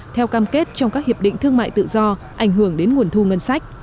theo cam kết trong các hiệp định thương mại tự do ảnh hưởng đến nguồn thu ngân sách